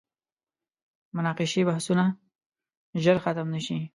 مناقشې بحثونه ژر ختم نه شي.